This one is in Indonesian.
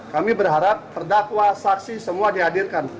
kami berharap terdakwa saksi semua dihadirkan